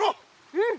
うん。